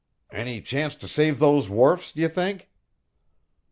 "Any chance to save those wharfs, d'ye think?"